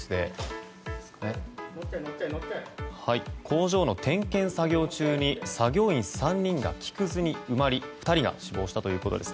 工場の点検作業中に作業員３人が木くずに埋まり、２人が死亡したということです。